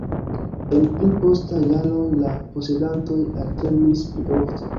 En pli postaj jaroj la posedantoj alternis pli ofte.